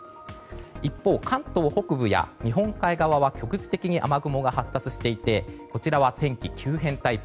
一方、関東北部や日本海側は局地的に雨雲が発達していてこちらは天気、急変タイプ。